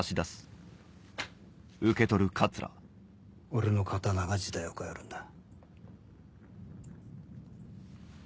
俺の刀が時代を変えるんだ。